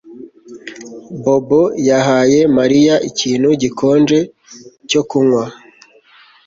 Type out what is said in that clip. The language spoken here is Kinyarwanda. Bobo yahaye Mariya ikintu gikonje cyo kunywa